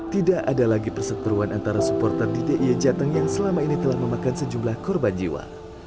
tidak ada lagi perseteruan antara supporter di d i e jateng yang selama ini telah memakan sejumlah korban jiwa